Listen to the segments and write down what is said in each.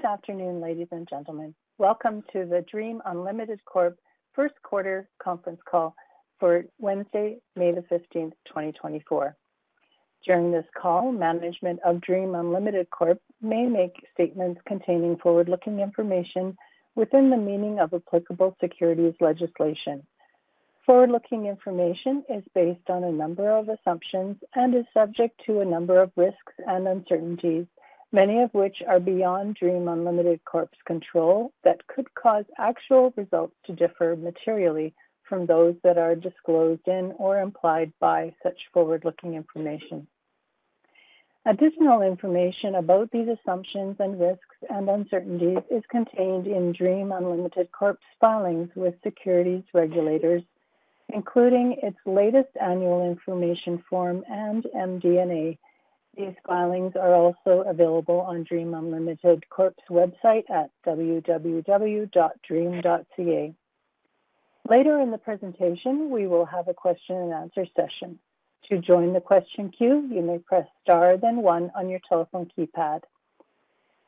Good afternoon, ladies and gentlemen. Welcome to the Dream Unlimited Corp first quarter conference call for Wednesday, May 15th, 2024. During this call, management of Dream Unlimited Corp may make statements containing forward-looking information within the meaning of applicable securities legislation. Forward-looking information is based on a number of assumptions and is subject to a number of risks and uncertainties, many of which are beyond Dream Unlimited Corp's control, that could cause actual results to differ materially from those that are disclosed in or implied by such forward-looking information. Additional information about these assumptions and risks and uncertainties is contained in Dream Unlimited Corp's filings with securities regulators, including its latest Annual Information Form and MD&A. These filings are also available on Dream Unlimited Corp's website at www.dream.ca. Later in the presentation, we will have a question and answer session. To join the question queue, you may press star, then one on your telephone keypad.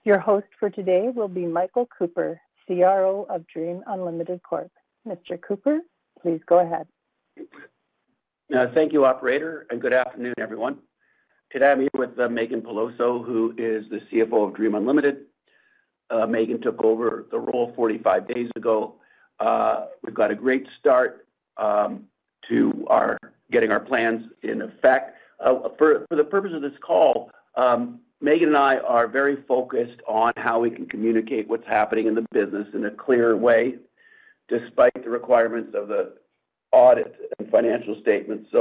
Your host for today will be Michael Cooper, CRO of Dream Unlimited Corp. Mr. Cooper, please go ahead. Thank you, operator, and good afternoon, everyone. Today, I'm here with Meaghan Peloso, who is the CFO of Dream Unlimited. Meaghan took over the role 45 days ago. We've got a great start to our getting our plans in effect. For the purpose of this call, Meaghan and I are very focused on how we can communicate what's happening in the business in a clear way, despite the requirements of the audit and financial statements.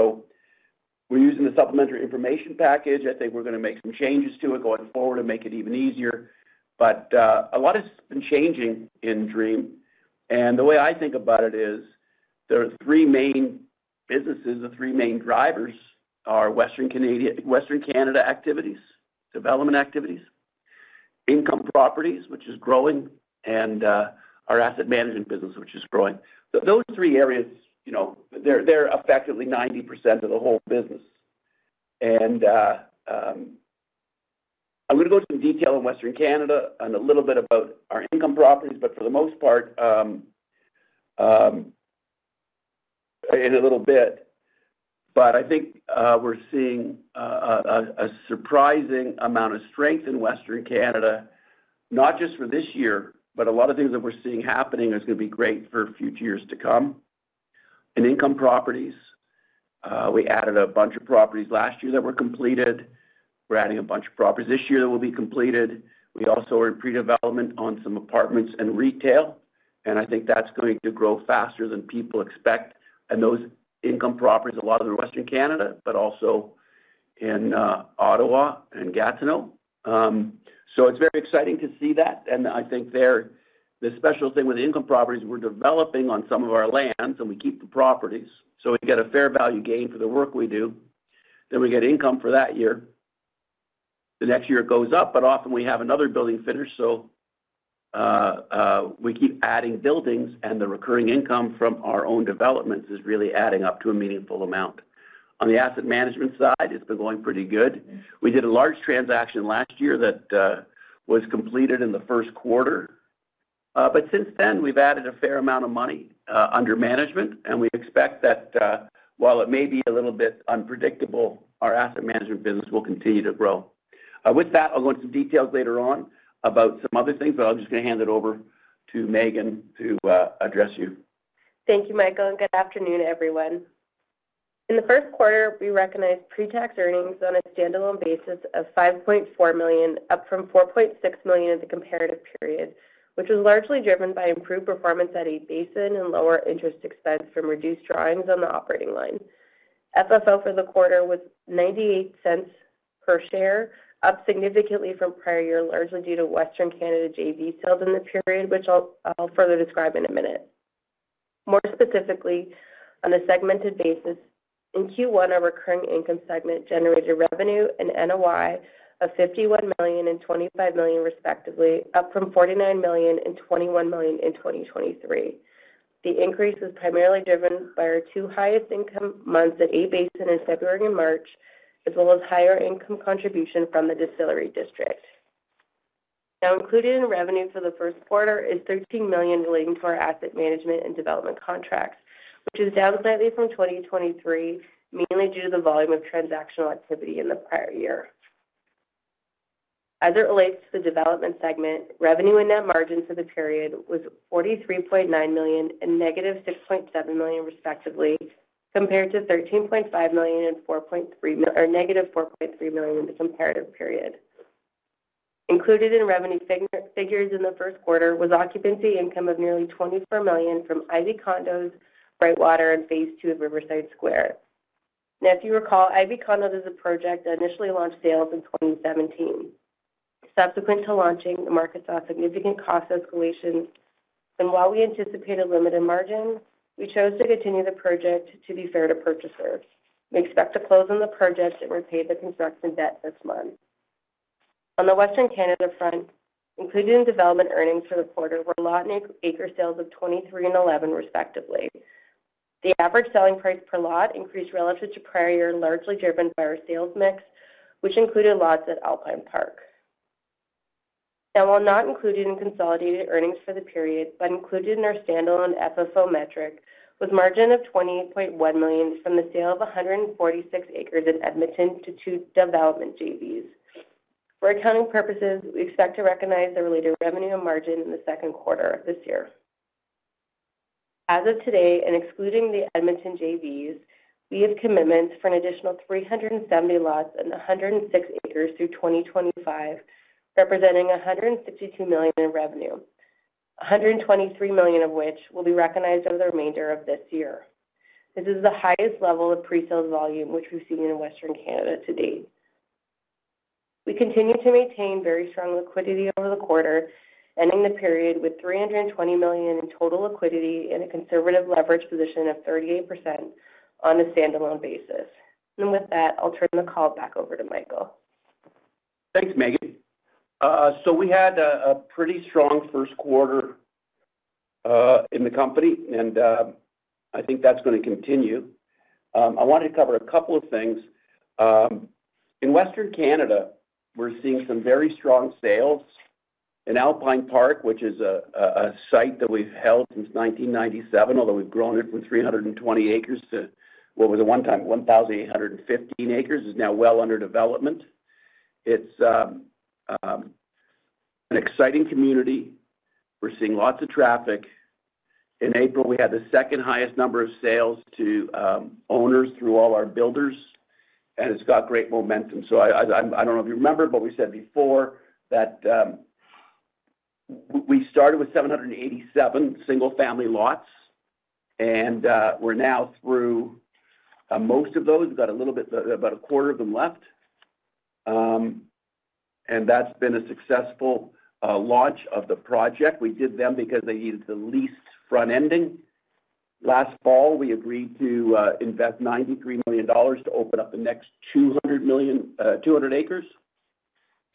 So we're using the supplementary information package. I think we're going to make some changes to it going forward to make it even easier. But a lot has been changing in Dream, and the way I think about it is, there are three main businesses. The three main drivers are Western Canada activities, development activities, income properties, which is growing, and our asset management business, which is growing. Those three areas, you know, they're effectively 90% of the whole business. And I'm going to go into some detail on Western Canada and a little bit about our income properties, but for the most part, in a little bit, but I think we're seeing a surprising amount of strength in Western Canada, not just for this year, but a lot of things that we're seeing happening is going to be great for future years to come. In income properties, we added a bunch of properties last year that were completed. We're adding a bunch of properties this year that will be completed. We also are in pre-development on some apartments and retail, and I think that's going to grow faster than people expect. And those income properties, a lot of them are Western Canada, but also in Ottawa and Gatineau. So it's very exciting to see that, and I think there, the special thing with income properties, we're developing on some of our lands, and we keep the properties. So we get a fair value gain for the work we do. Then we get income for that year. The next year, it goes up, but often we have another building finished. So we keep adding buildings, and the recurring income from our own developments is really adding up to a meaningful amount. On the asset management side, it's been going pretty good. We did a large transaction last year that was completed in the first quarter. But since then, we've added a fair amount of money under management, and we expect that while it may be a little bit unpredictable, our asset management business will continue to grow. With that, I'll go into some details later on about some other things, but I'm just going to hand it over to Meaghan to address you. Thank you, Michael, and good afternoon, everyone. In the first quarter, we recognized pre-tax earnings on a standalone basis of 5.4 million, up from 4.6 million in the comparative period, which was largely driven by improved performance at A-Basin and lower interest expense from reduced drawings on the operating line. FFO for the quarter was 0.98 per share, up significantly from prior years, largely due to Western Canada JV sales in the period, which I'll further describe in a minute. More specifically, on a segmented basis, in Q1, our recurring income segment generated revenue and NOI of 51 million and 25 million, respectively, up from 49 million and 21 million in 2023. The increase was primarily driven by our two highest income months at A-Basin in February and March, as well as higher income contribution from the Distillery District. Now, included in the revenue for the first quarter is 13 million relating to our asset management and development contracts, which is down slightly from 2023, mainly due to the volume of transactional activity in the prior year. As it relates to the development segment, revenue and net margin for the period was 43.9 million and -6.7 million, respectively, compared to 13.5 million and 4.3 or -4.3 million in the comparative period. Included in revenue figures in the first quarter was occupancy income of nearly 24 million from Ivy Condos, Brightwater, and phase II of Riverside Square. Now, if you recall, Ivy Condos is a project that initially launched sales in 2017. Subsequent to launching, the market saw significant cost escalation, and while we anticipated limited margins, we chose to continue the project to be fair to purchasers. We expect to close on the project and repay the construction debt this month. On the Western Canada front, included in development earnings for the quarter were lot and acre sales of 23 and 11, respectively. The average selling price per lot increased relative to prior year, largely driven by our sales mix, which included lots at Alpine Park. Now, while not included in consolidated earnings for the period, but included in our standalone FFO metric, was margin of 28.1 million from the sale of 146 acres in Edmonton to two development JVs. For accounting purposes, we expect to recognize the related revenue and margin in the second quarter of this year. As of today, and excluding the Edmonton JVs, we have commitments for an additional 370 lots and 106 acres through 2025, representing 162 million in revenue, 123 million of which will be recognized over the remainder of this year. This is the highest level of presale volume, which we've seen in Western Canada to date. We continue to maintain very strong liquidity over the quarter, ending the period with 320 million in total liquidity and a conservative leverage position of 38% on a standalone basis. And with that, I'll turn the call back over to Michael. Thanks, Meaghan. So we had a pretty strong first quarter in the company, and I think that's going to continue. I wanted to cover a couple of things. In Western Canada, we're seeing some very strong sales. In Alpine Park, which is a site that we've held since 1997, although we've grown it from 320 acres to what was at one-time 1,815 acres, is now well under development. It's an exciting community. We're seeing lots of traffic. In April, we had the second highest number of sales to owners through all our builders, and it's got great momentum. So I don't know if you remember, but we said before that we started with 787 single-family lots, and we're now through most of those. We've got a little bit, about a quarter of them left. And that's been a successful launch of the project. We did them because they needed the least front-ending. Last fall, we agreed to invest 93 million dollars to open up the next 200 million, 200 acres.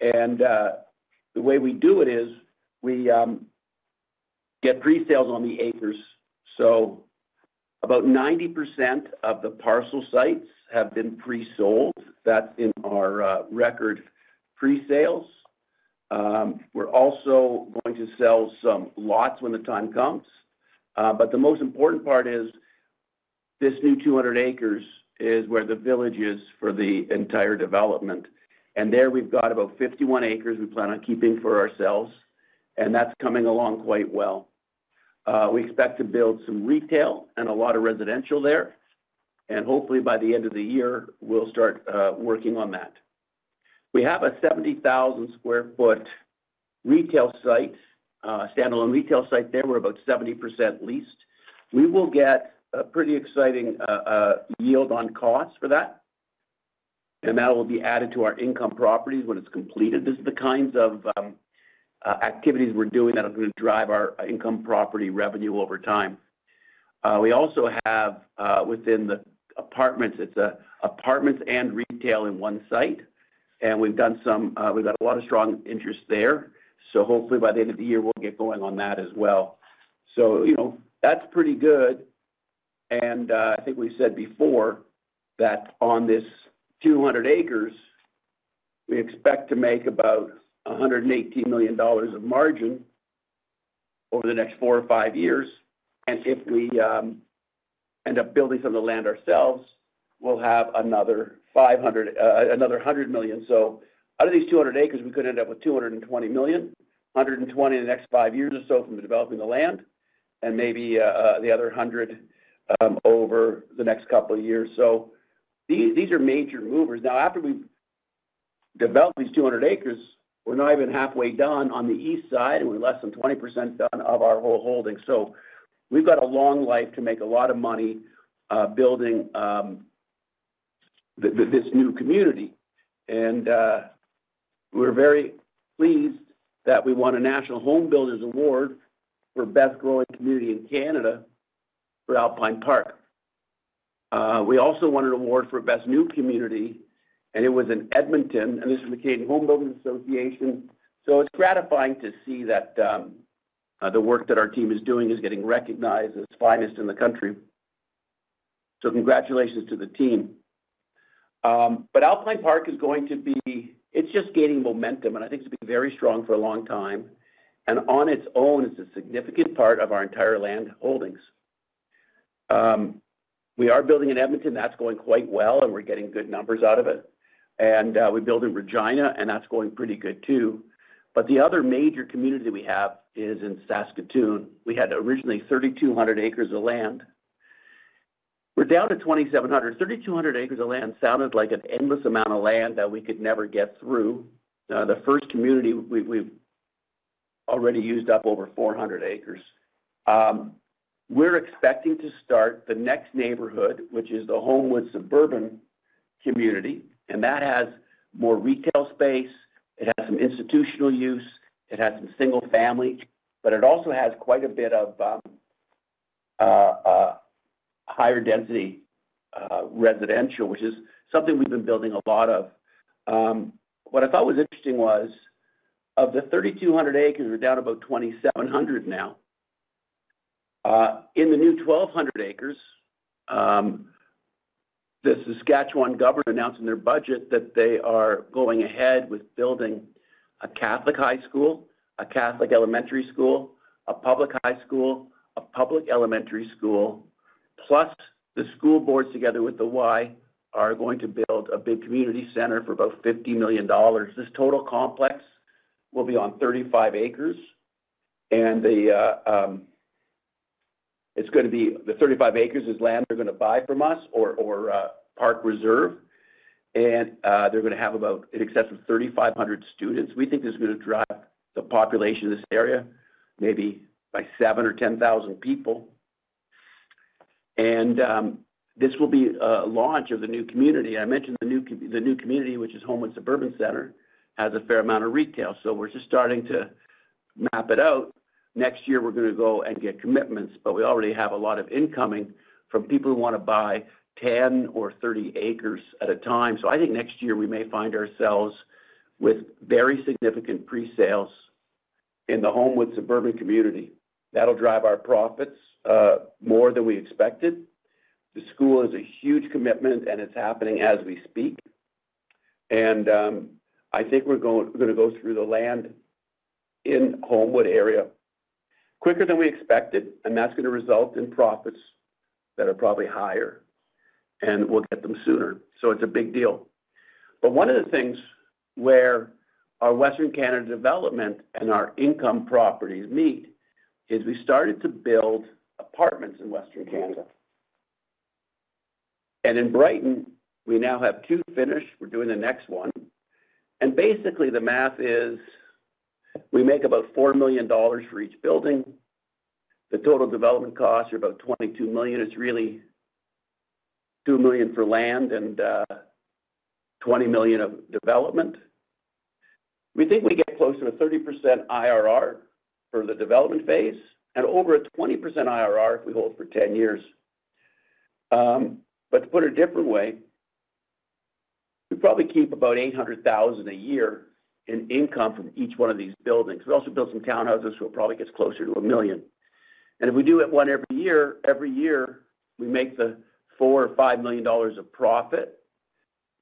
And the way we do it is we get presales on the acres. So about 90% of the parcel sites have been presold. That's in our record presales. We're also going to sell some lots when the time comes. But the most important part is this new 200 acres is where the village is for the entire development. There, we've got about 51 acres we plan on keeping for ourselves, and that's coming along quite well. We expect to build some retail and a lot of residential there, and hopefully, by the end of the year, we'll start working on that. We have a 70,000 sq ft retail site, standalone retail site there, we're about 70% leased. We will get a pretty exciting yield on cost for that, and that will be added to our income properties when it's completed. This is the kinds of activities we're doing that are going to drive our income property revenue over time. We also have within the apartments, it's apartments and retail in one site, and we've done some. We've got a lot of strong interest there, so hopefully by the end of the year, we'll get going on that as well. So, you know, that's pretty good, and I think we said before that on this 200 acres, we expect to make about 180 million dollars of margin over the next four or five years. And if we end up building some of the land ourselves, we'll have another 500, another 100 million. So out of these 200 acres, we could end up with 220 million, 120 million in the next five years or so from developing the land, and maybe the other 100 million over the next couple of years. So these, these are major movers. Now, after we've developed these 200 acres, we're not even halfway done on the east side, and we're less than 20% done of our whole holdings. So we've got a long life to make a lot of money, building this new community. And, we're very pleased that we won a National Home Builders' Award for Best Growing Community in Canada for Alpine Park. We also won an award for Best New Community, and it was in Edmonton, and this is the Canadian Home Builders' Association. So it's gratifying to see that, the work that our team is doing is getting recognized as the finest in the country. So congratulations to the team. But Alpine Park is going to be, it's just gaining momentum, and I think it's been very strong for a long time, and on its own, it's a significant part of our entire land holdings. We are building in Edmonton, that's going quite well, and we're getting good numbers out of it. And, we build in Regina, and that's going pretty good too. But the other major community we have is in Saskatoon. We had originally 3,200 acres of land. We're down to 2,700 acres. 3,200 acres of land sounded like an endless amount of land that we could never get through. The first community, we've already used up over 400 acres. We're expecting to start the next neighborhood, which is the Holmwood Suburban community, and that has more retail space, it has some institutional use, it has some single-family, but it also has quite a bit of higher density residential, which is something we've been building a lot of. What I thought was interesting was of the 3,200 acres, we're down about 2,700 acres now. In the new 1,200 acres, the Saskatchewan government announced in their budget that they are going ahead with building a Catholic high school, a Catholic elementary school, a public high school, a public elementary school, plus the school boards, together with the Y, are going to build a big community center for about 50 million dollars. This total complex will be on 35 acres, and the, it's going to be the 35 acres is land they're going to buy from us or Park Reserve, and they're going to have about in excess of 3,500 students. We think this is going to drive the population of this area, maybe by 7,000 or 10,000 people. And this will be a launch of the new community. I mentioned the new community, which is Holmwood Suburban Centre, has a fair amount of retail, so we're just starting to map it out. Next year, we're going to go and get commitments, but we already have a lot of incoming from people who want to buy 10 or 30 acres at a time. So I think next year we may find ourselves with very significant pre-sales in the Holmwood Suburban community. That'll drive our profits more than we expected. The school is a huge commitment, and it's happening as we speak. I think we're going, gonna go through the land in Holmwood area quicker than we expected, and that's going to result in profits that are probably higher, and we'll get them sooner. So it's a big deal. But one of the things where our Western Canada development and our income properties meet is we started to build apartments in Western Canada. In Brighton, we now have two finished. We're doing the next one. Basically, the math is, we make about 4 million dollars for each building. The total development costs are about 22 million. It's really 2 million for land and, 20 million of development. We think we get close to a 30% IRR for the development phase and over a 20% IRR if we hold for 10 years. But to put it a different way, we probably keep about 800,000 a year in income from each one of these buildings. We also build some townhouses, so it probably gets closer to 1 million. And if we do it one every year, every year, we make 4 or 5 million of profit,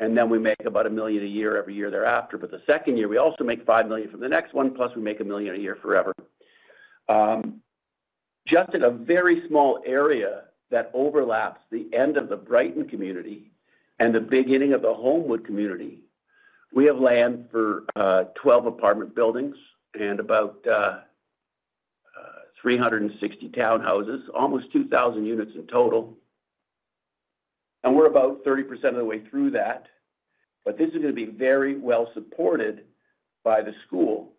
and then we make about 1 million a year every year thereafter. But the second year, we also make 5 million from the next one, plus we make 1 million a year forever. Just in a very small area that overlaps the end of the Brighton community and the beginning of the Holmwood community, we have land for 12 apartment buildings and about 360 townhouses, almost 2,000 units in total, and we're about 30% of the way through that. But this is going to be very well supported by the school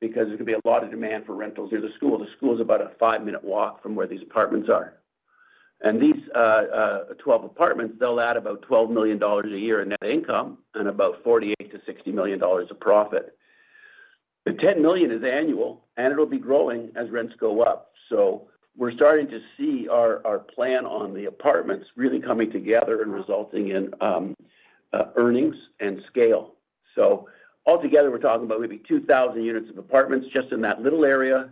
because there's going to be a lot of demand for rentals near the school. The school is about a five-minute walk from where these apartments are. These 12 apartments, they'll add about 12 million dollars a year in net income and about 48 million-60 million dollars of profit. The 10 million is annual, and it'll be growing as rents go up. So we're starting to see our plan on the apartments really coming together and resulting in earnings and scale. So altogether, we're talking about maybe 2,000 units of apartments just in that little area,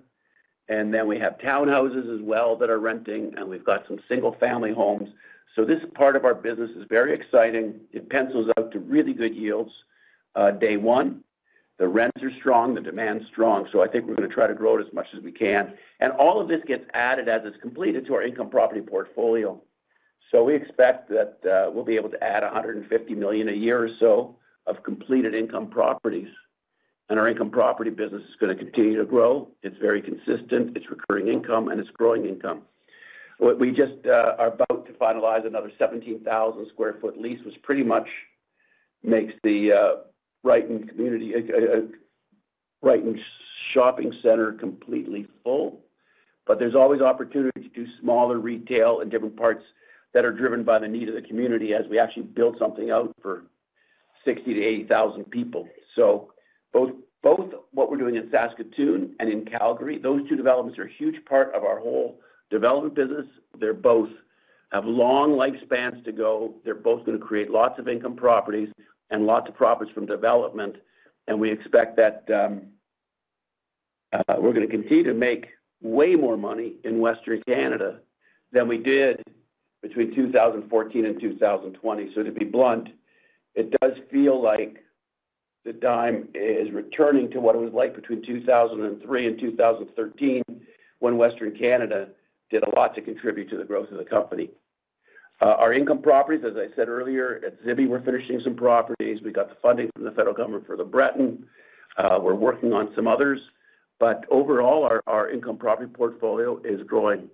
and then we have townhouses as well that are renting, and we've got some single-family homes. So this part of our business is very exciting. It pencils out to really good yields. Day one, the rents are strong, the demand is strong, so I think we're going to try to grow it as much as we can. And all of this gets added as it's completed to our income property portfolio. So we expect that we'll be able to add 150 million a year or so of completed income properties, and our income property business is going to continue to grow. It's very consistent, it's recurring income, and it's growing income. We just are about to finalize another 17,000 sq ft lease, which pretty much makes the Brighton Community, Brighton Shopping Centre completely full. But there's always opportunity to do smaller retail in different parts that are driven by the need of the community as we actually build something out for 60,000-80,000 people. So both what we're doing in Saskatoon and in Calgary, those two developments are a huge part of our whole development business. They both have long lifespans to go. They're both going to create lots of income properties and lots of profits from development. And we expect that we're going to continue to make way more money in Western Canada than we did between 2014 and 2020. So to be blunt, it does feel like the time is returning to what it was like between 2003 and 2013, when Western Canada did a lot to contribute to the growth of the company. Our income properties, as I said earlier, at Zibi, we're finishing some properties. We got the funding from the federal government for LeBreton. We're working on some others, but overall, our income property portfolio is growing.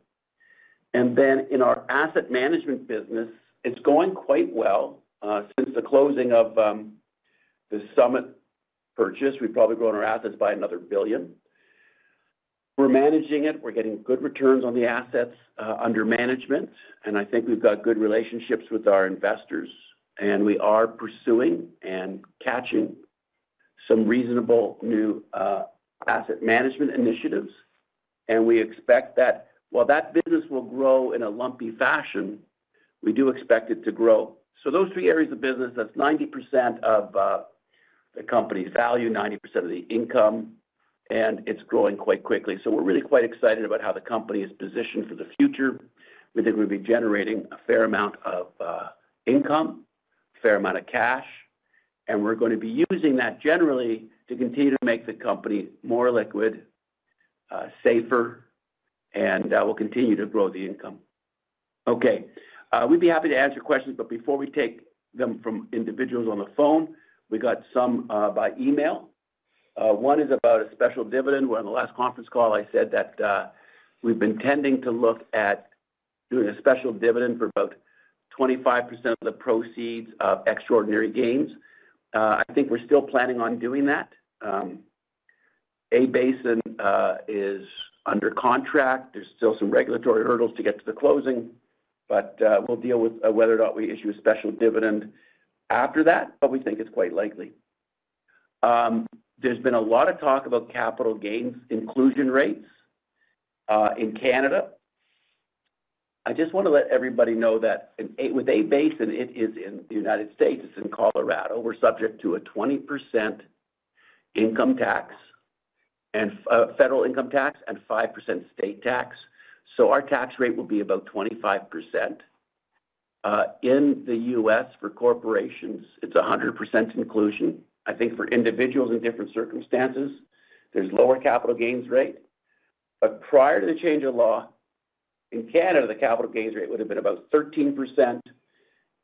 And then in our asset management business, it's going quite well. Since the closing of the Summit purchase, we've probably grown our assets by another 1 billion. We're managing it, we're getting good returns on the assets under management, and I think we've got good relationships with our investors, and we are pursuing and catching some reasonable new asset management initiatives. and we expect that while that business will grow in a lumpy fashion, we do expect it to grow. So those three areas of business, that's 90% of the company's value, 90% of the income, and it's growing quite quickly. So we're really quite excited about how the company is positioned for the future. We think we'll be generating a fair amount of income, a fair amount of cash, and we're going to be using that generally to continue to make the company more liquid, safer, and we'll continue to grow the income. Okay, we'd be happy to answer questions, but before we take them from individuals on the phone, we got some by email. One is about a special dividend, where on the last conference call, I said that we've been tending to look at doing a special dividend for about 25% of the proceeds of extraordinary gains. I think we're still planning on doing that. A-Basin is under contract. There's still some regulatory hurdles to get to the closing, but we'll deal with whether or not we issue a special dividend after that, but we think it's quite likely. There's been a lot of talk about capital gains inclusion rates in Canada. I just want to let everybody know that with A-Basin, it is in the United States, it's in Colorado. We're subject to a 20% income tax and federal income tax and 5% state tax, so our tax rate will be about 25%. In the U.S., for corporations, it's 100% inclusion. I think for individuals in different circumstances, there's lower capital gains rate. But prior to the change of law, in Canada, the capital gains rate would have been about 13%.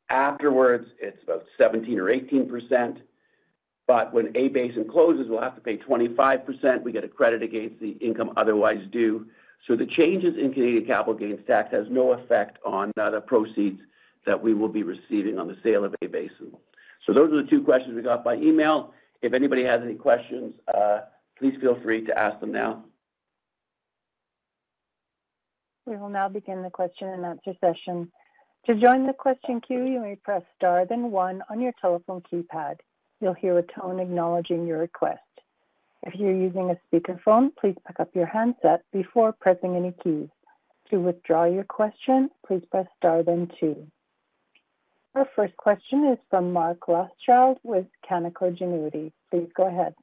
Afterwards, it's about 17% or 18%. But when A-Basin closes, we'll have to pay 25%. We get a credit against the income otherwise due. So the changes in Canadian capital gains tax has no effect on, the proceeds that we will be receiving on the sale of A-Basin. So those are the two questions we got by email. If anybody has any questions, please feel free to ask them now. We will now begin the question-and-answer session. To join the question queue, you may press star, then one on your telephone keypad. You'll hear a tone acknowledging your request. If you're using a speakerphone, please pick up your handset before pressing any keys. To withdraw your question, please press star then two. Our first question is from Mark Rothschild with Canaccord Genuity. Please go ahead.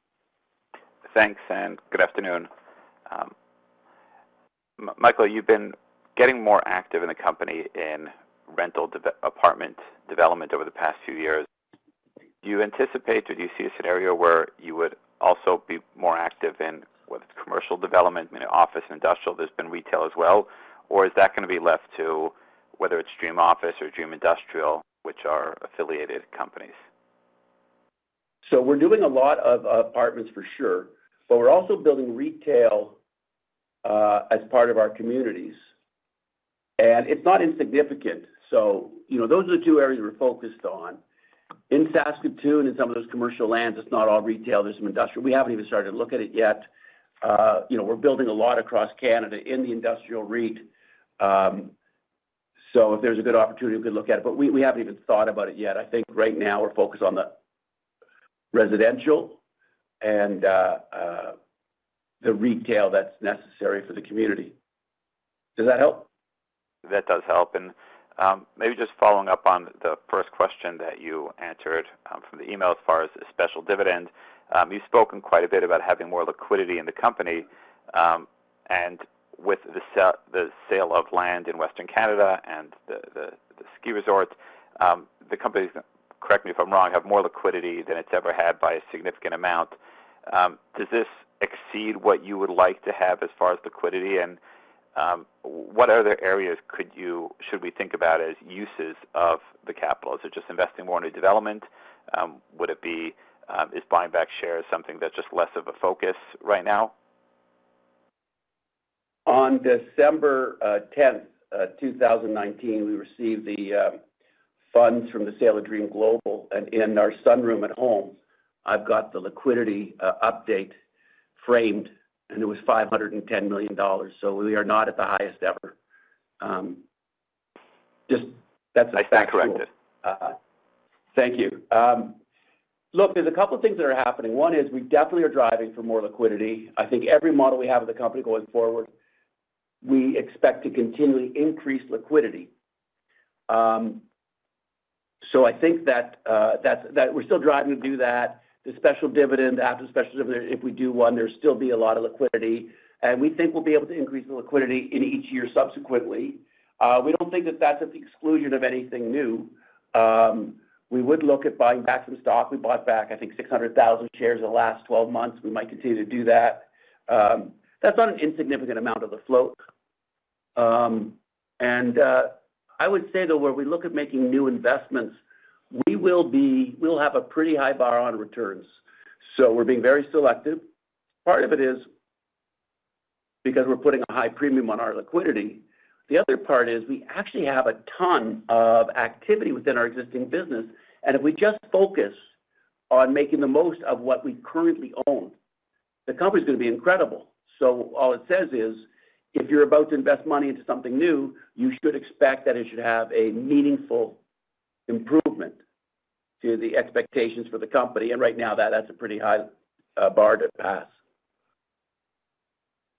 Thanks, and good afternoon. Michael, you've been getting more active in the company in rental apartment development over the past few years. Do you anticipate, or do you see a scenario where you would also be more active in, whether it's commercial development, office, and industrial, there's been retail as well, or is that going to be left to whether it's Dream Office or Dream Industrial, which are affiliated companies? So we're doing a lot of apartments for sure, but we're also building retail as part of our communities, and it's not insignificant. So, you know, those are the two areas we're focused on. In Saskatoon and some of those commercial lands, it's not all retail, there's some industrial. We haven't even started to look at it yet. You know, we're building a lot across Canada in the industrial REIT. So if there's a good opportunity, we could look at it, but we haven't even thought about it yet. I think right now we're focused on the residential and the retail that's necessary for the community. Does that help? That does help. Maybe just following up on the first question that you answered, from the email as far as the special dividend, you've spoken quite a bit about having more liquidity in the company, and with the sale of land in Western Canada and the ski resorts, the company, correct me if I'm wrong, have more liquidity than it's ever had by a significant amount. Does this exceed what you would like to have as far as liquidity? And, what other areas should we think about as uses of the capital? Is it just investing more into development? Is buying back shares something that's just less of a focus right now? On December 10th, 2019 we received the funds from the sale of Dream Global, and in our sunroom at home, I've got the liquidity update framed, and it was 510 million dollars, so we are not at the highest ever. Just that's- I stand corrected. Thank you. Look, there's a couple of things that are happening. One is we definitely are driving for more liquidity. I think every model we have of the company going forward, we expect to continually increase liquidity. So I think that we're still driving to do that. The special dividend, after the special dividend, if we do one, there's still be a lot of liquidity, and we think we'll be able to increase the liquidity in each year subsequently. We don't think that that's at the exclusion of anything new. We would look at buying back some stock. We bought back, I think, 600,000 shares in the last 12 months. We might continue to do that. That's not an insignificant amount of the float. I would say, though, when we look at making new investments, we will be—we'll have a pretty high bar on returns, so we're being very selective. Part of it is because we're putting a high premium on our liquidity. The other part is we actually have a ton of activity within our existing business, and if we just focus on making the most of what we currently own, the company is going to be incredible. So all it says is, if you're about to invest money into something new, you should expect that it should have a meaningful improvement to the expectations for the company, and right now, that, that's a pretty high bar to pass.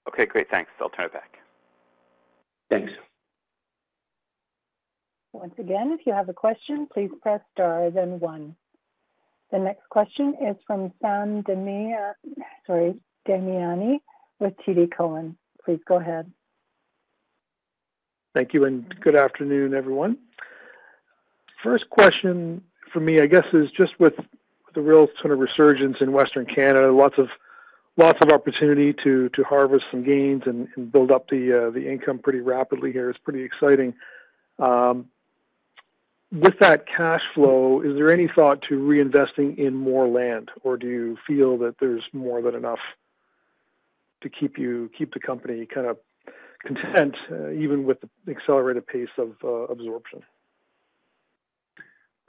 Okay, great. Thanks. I'll turn it back. Thanks. Once again, if you have a question, please press star, then one. The next question is from Sam Demia, sorry, Damiani with TD Cowen. Please go ahead. Thank you, and good afternoon, everyone. First question for me, I guess, is just with the real sort of resurgence in Western Canada, lots of, lots of opportunity to, to harvest some gains and, and build up the, the income pretty rapidly here. It's pretty exciting. With that cash flow, is there any thought to reinvesting in more land, or do you feel that there's more than enough to keep the company kind of content, even with the accelerated pace of absorption?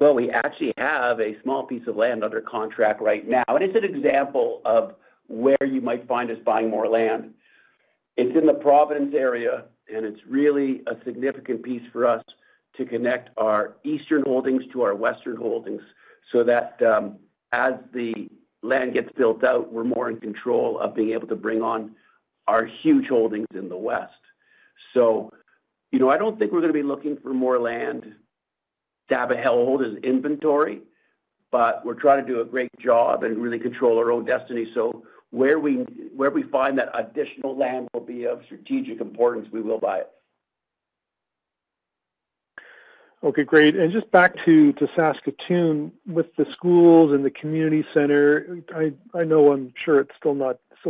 Well, we actually have a small piece of land under contract right now, and it's an example of where you might find us buying more land. It's in the Providence area, and it's really a significant piece for us to connect our eastern holdings to our western holdings so that, as the land gets built out, we're more in control of being able to bring on our huge holdings in the West. So, you know, I don't think we're gonna be looking for more land to have and hold as inventory, but we're trying to do a great job and really control our own destiny. So where we find that additional land will be of strategic importance, we will buy it. Okay, great. And just back to Saskatoon, with the schools and the community center, I know I'm sure it's still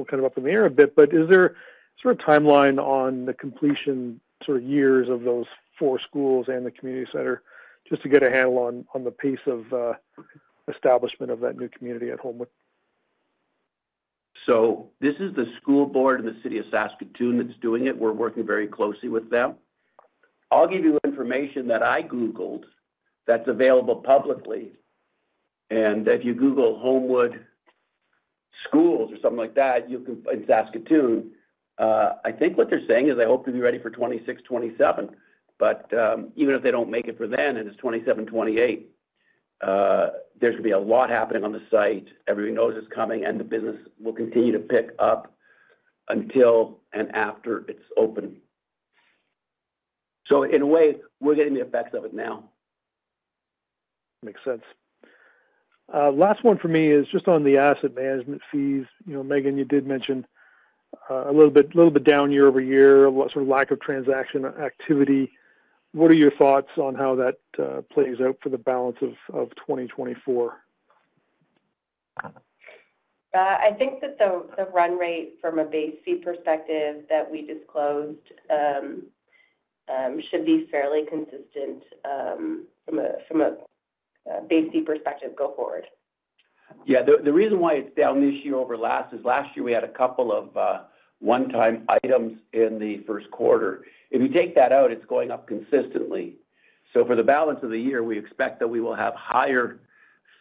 kind of up in the air a bit, but is there sort of timeline on the completion, sort of years of those four schools and the community center, just to get a handle on the pace of establishment of that new community at Holmwood? So this is the school board in the city of Saskatoon that's doing it. We're working very closely with them. I'll give you information that I googled that's available publicly, and if you google Holmwood Schools or something like that, you can in Saskatoon, I think what they're saying is they hope to be ready for 2026, 2027. But, even if they don't make it for then, and it's 2027, 2028, there's gonna be a lot happening on the site. Everybody knows it's coming, and the business will continue to pick up until and after it's open. So in a way, we're getting the effects of it now. Makes sense. Last one for me is just on the asset management fees. You know, Meaghan, you did mention, a little bit, little bit down year-over-year, what sort of lack of transaction activity. What are your thoughts on how that, plays out for the balance of, of 2024? I think that the run rate from a base fee perspective that we disclosed should be fairly consistent from a base fee perspective go forward. Yeah, the reason why it's down this year over last is last year we had a couple of one-time items in the first quarter. If you take that out, it's going up consistently. So for the balance of the year, we expect that we will have higher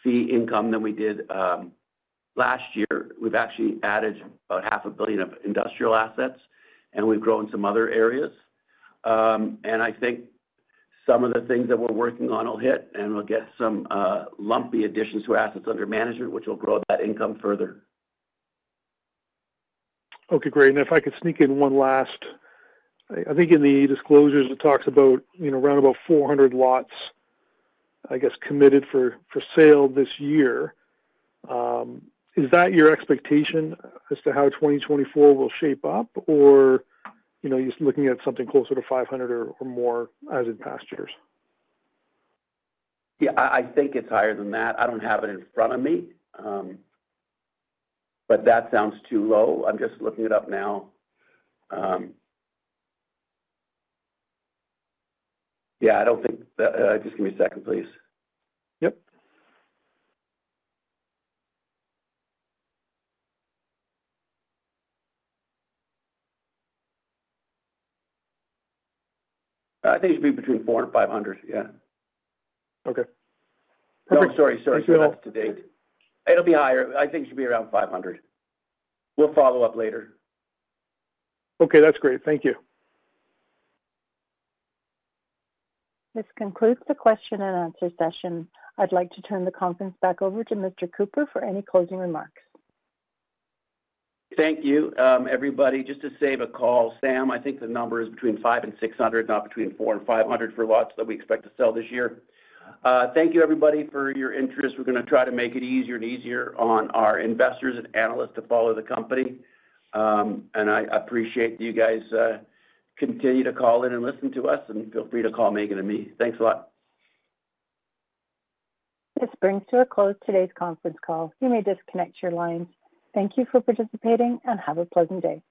fee income than we did last year. We've actually added about 500 million of industrial assets, and we've grown some other areas. And I think some of the things that we're working on will hit, and we'll get some lumpy additions to assets under management, which will grow that income further. Okay, great. If I could sneak in one last... I think in the disclosures, it talks about, you know, around about 400 lots, I guess, committed for, for sale this year. Is that your expectation as to how 2024 will shape up? Or, you know, you're looking at something closer to 500 or, or more as in past years? Yeah, I think it's higher than that. I don't have it in front of me, but that sounds too low. I'm just looking it up now. Yeah, just give me a second, please. Yep. I think it should be between 400 and 500. Yeah. Okay. Oh, sorry, sorry. That's to date. It'll be higher. I think it should be around 500. We'll follow up later. Okay, that's great. Thank you. This concludes the question and answer session. I'd like to turn the conference back over to Mr. Cooper for any closing remarks. Thank you, everybody. Just to save a call, Sam, I think the number is between 500 and 600, not between 400 and 500 for lots that we expect to sell this year. Thank you, everybody, for your interest. We're gonna try to make it easier and easier on our investors and analysts to follow the company. I appreciate you guys continue to call in and listen to us, and feel free to call Meaghan and me. Thanks a lot. This brings to a close today's conference call. You may disconnect your lines. Thank you for participating, and have a pleasant day.